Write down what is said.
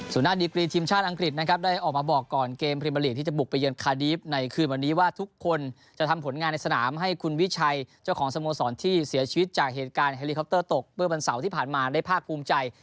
ส่วนหน้าดีกรีทีมชาติอังกฤษนะครับได้ออกมาบอกก่อนเกมพรีเมอร์ลีกที่จะบุกไปเยือนคาดีฟในคืนวันนี้ว่าทุกคนจะทำผลงานในสนามให้คุณวิชัยเจ้าของสโมสรที่เสียชีวิตจากเหตุการณ์เฮลิคอปเตอร์ตกเมื่อวันเสาร์ที่ผ่านมาได้ภาคภูมิใจ